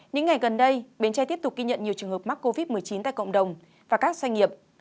những ngày gần đây bến tre tiếp tục ghi nhận nhiều trường hợp mắc covid một mươi chín tại cộng đồng và các doanh nghiệp